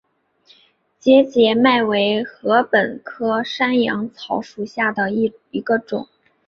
节节麦为禾本科山羊草属下的一个种。